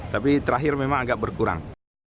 tapi terakhir memang agak berkurang